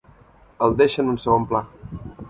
El deixa en un segon pla.